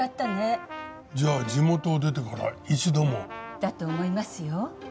じゃあ地元を出てから一度も？だと思いますよ。